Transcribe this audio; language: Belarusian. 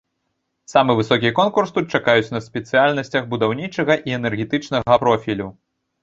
Самы высокі конкурс тут чакаюць на спецыяльнасцях будаўнічага і энергетычнага профілю.